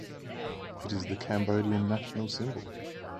It is the Cambodian national symbol.